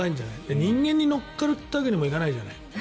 人間に乗るわけにもいかないじゃない。